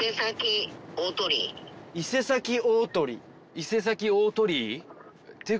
伊勢崎大鳥居。